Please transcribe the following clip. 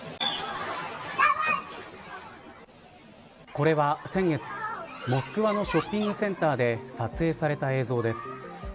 これは先月モスクワのショッピングセンターで撮影された映像です。